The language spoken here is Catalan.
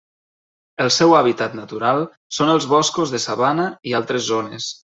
El seu hàbitat natural són els boscos de sabana i altres zones.